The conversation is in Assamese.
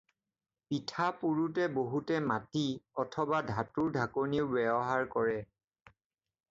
পিঠা পোৰোতে বহুতে মাটি অথবা ধাতুৰ ঢাকনিও ব্যৱহাৰ কৰে।